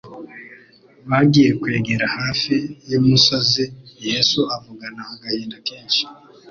Bagiye kwegera hafi y'umusozi Yesu avugana agahinda kenshi